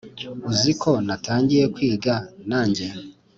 Uzi ko natangiye kwiga nange